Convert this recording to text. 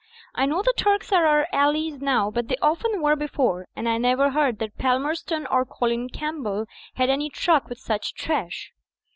I know the Turks are our allies now, but they often were before, and I never heard that Palmerston or Colin Campbell had any truck with such trash.'